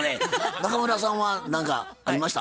中村さんは何かありました？